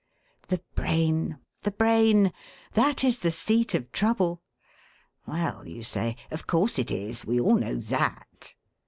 The brain, the brain that is the seat of trouble! 'Well,' you say, 'of course it is. We all know that!'